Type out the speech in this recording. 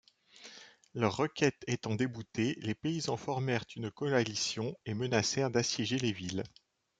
Leurs requêtes étant déboutées, les paysans formèrent une coalition et menacèrent d'assiéger les villes.